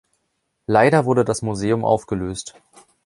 Leider wurde das Museum aufgelöst.